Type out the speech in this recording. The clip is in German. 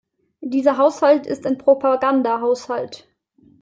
Dieser Haushalt ist ein Propagandahaushalt.